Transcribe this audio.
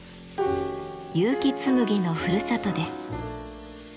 結城紬のふるさとです。